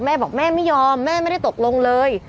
แต่เมื่อก็ไม่ตกลงเลย